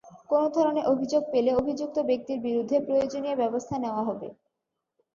কোনো ধরনের অভিযোগ পেলে অভিযুক্ত ব্যক্তির বিরুদ্ধে প্রয়োজনীয় ব্যবস্থা নেওয়া হবে।